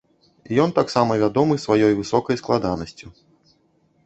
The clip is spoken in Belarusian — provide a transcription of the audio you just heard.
Ён таксама вядомы сваёй высокай складанасцю.